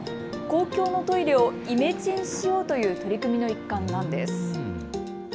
公共トイレをイメチェンしようという取り組みの一環なんです。